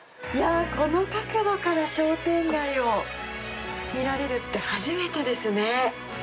この角度から商店街を見られるって初めてですね。